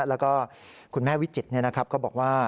แล้วก็คุณแม่วิจิตก็บอกว่า